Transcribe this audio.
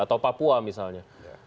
atau papua misalnya